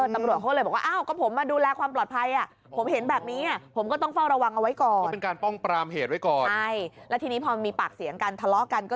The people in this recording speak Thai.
แทรกดอมยังถามว่าเอ๊ะปืนลั่นหรือเปล่า